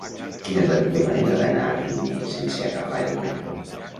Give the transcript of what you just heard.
Quina és la millor manera d'anar a Riner sense agafar el metro?